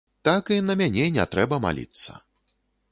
Так і на мяне не трэба маліцца.